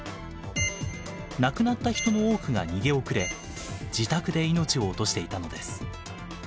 亡くなった人の多くが逃げ遅れ自宅で命を落としていたのです。